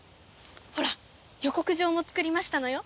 ほら予告状も作りましたのよ。